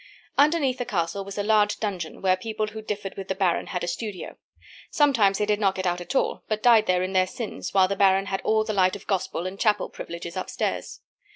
Underneath the castle was a large dungeon, where people who differed with the baron had a studio. Sometimes they did not get out at all, but died there in their sins, while the baron had all the light of gospel and chapel privileges up stairs.